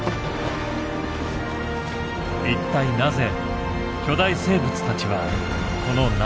一体なぜ巨大生物たちはこの謎の海域に集まってくるのか。